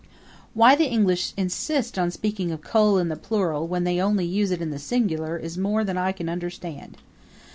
Why the English insist on speaking of coal in the plural when they use it only in the singular is more than I can understand.